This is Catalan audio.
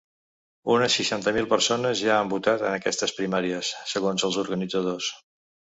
Unes seixanta mil persones ja han votat en aquestes primàries, segons els organitzadors.